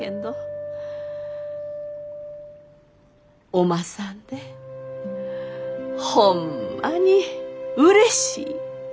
おまさんでホンマにうれしい！